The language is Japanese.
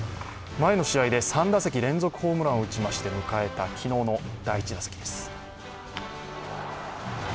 前の試合で３打席連続ホームランを打ちまして迎えた昨日の第１打席です。